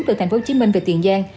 từ tp hcm về tiền giang